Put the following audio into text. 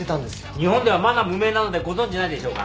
日本ではまだ無名なのでご存じないでしょうが。